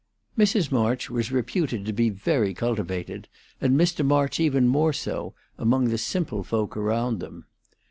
Mrs. March was reputed to be very cultivated, and Mr. March even more so, among the simpler folk around them.